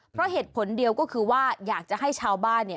เพราะเหตุผลเดียวก็คือว่าอยากจะให้ชาวบ้านเนี่ย